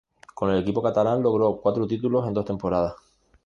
Con el equipo catalán logró cuatro títulos en dos temporadas.